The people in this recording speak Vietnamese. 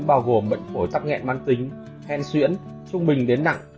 bao gồm bệnh phổi tắc nghẹn mang tính hen xuyễn trung bình đến nặng